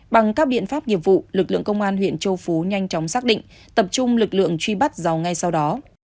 bằng các biện pháp nghiệp vụ lực lượng công an huyện châu phú nhanh chóng xác định tập trung lực lượng truy bắt giàu ngay sau đó